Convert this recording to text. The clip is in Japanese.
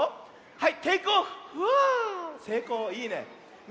はい。